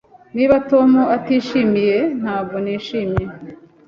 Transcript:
Niba Tom atishimiye, ntabwo nishimye.